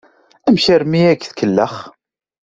Amek armi ay ak-tkellex?